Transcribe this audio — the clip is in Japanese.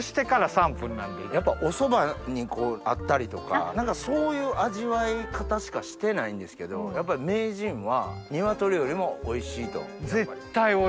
やっぱおそばにあったりとか何かそういう味わい方しかしてないんですけどやっぱり名人は。